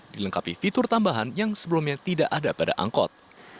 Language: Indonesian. dilengkapi fitur tambahan yang sebelumnya tidak ada pada angkot